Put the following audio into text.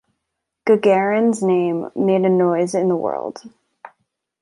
Gagarin’s name made a noise in the world.